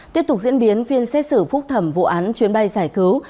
tiếp tục diễn biến phiên xét xử phúc thẩm vụ án chuyến bay giải cứu